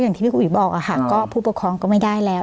อย่างที่พี่อุ๋ยบอกอะค่ะก็ผู้ปกครองก็ไม่ได้แล้ว